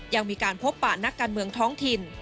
ยังมีการพบปะนักการเมืองท้องถิ่น